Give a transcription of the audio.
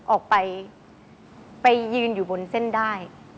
ออกไปไปยืนอยู่บนเส้นได้